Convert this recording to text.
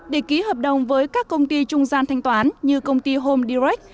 để ký hợp đồng với các công ty trung gian thanh toán như công ty home direct